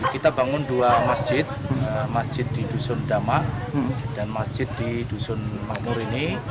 kita bangun dua masjid masjid di dusun dama dan masjid di dusun makmur ini